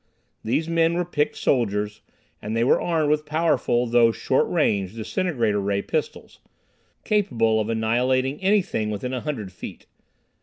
These men were picked soldiers, and they were armed with powerful though short range disintegrator ray pistols, capable of annihilating anything within a hundred feet.